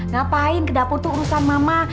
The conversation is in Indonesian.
ngapain ke dapur tuh urusan mama